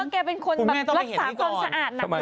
แกเป็นคนแบบรักษาความสะอาดหนัก